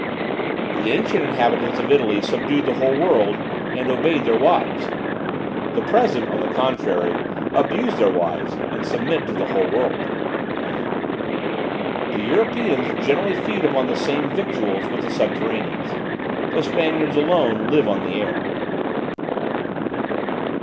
"The ancient inhabitants of Italy subdued the whole world, and obeyed their wives; the present, on the contrary, abuse their wives and submit to the whole world. "The Europeans generally feed upon the same victuals with the subterraneans. The Spaniards alone live on the air.